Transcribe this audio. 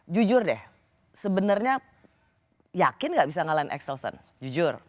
jujur deh sebenarnya yakin gak bisa ngalahin exelsen jujur